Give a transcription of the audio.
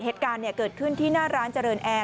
เหตุการณ์เกิดขึ้นที่หน้าร้านเจริญแอร์